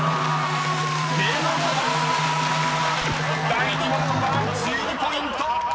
［第２問は１２ポイント！］